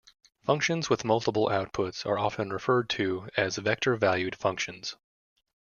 Functions with multiple outputs are often referred to as vector-valued functions.